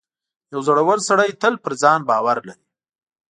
• یو زړور سړی تل پر ځان باور لري.